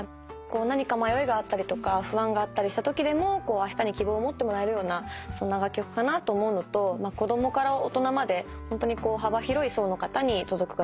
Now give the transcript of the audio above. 何か迷いがあったりとか不安があったりしたときでもあしたに希望を持ってもらえるようなそんな楽曲かなと思うのと子供から大人までホントに幅広い層の方に届く楽曲かなと思います。